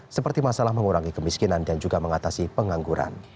seperti masalah mengurangi kemiskinan dan juga mengatasi pengangguran